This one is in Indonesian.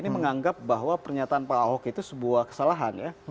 ini menganggap bahwa pernyataan pak ahok itu sebuah kesalahan ya